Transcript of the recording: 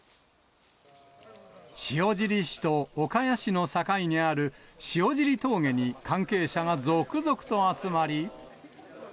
塩尻市と岡谷市の境にある塩尻峠に関係者が続々と集まり。